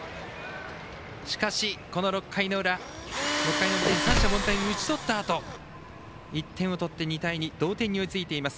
しかしこの６回の裏６回表に三者凡退に打ち取ったあとに１点を取って同点に追いついています。